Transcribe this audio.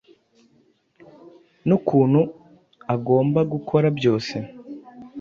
n’ukuntu agomba gukora byose